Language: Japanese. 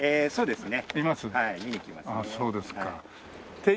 そうですね